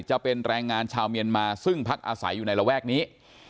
จะเป็นแรงงานชาวเมียนมาซึ่งพักอาศัยอยู่ในระแวกนี้